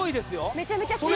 めちゃめちゃ強い。